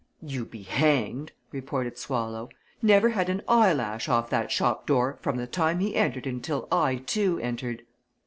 "You be hanged!" retorted Swallow. "Never had an eyelash off that shop door from the time he entered until I, too, entered."